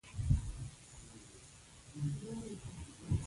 امپراطور غواړي شهزاده اکبرشاه وټاکي.